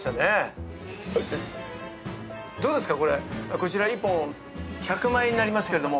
こちら１本１００万円になりますけれども。